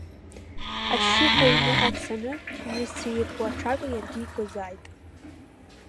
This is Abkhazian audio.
Ашьшьыҳәа иҩныҟа дцаны, иҩызцәа ирку аҽага иаргьы икызааит!